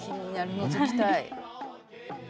のぞきたい。